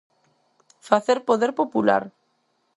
Facer poder popular.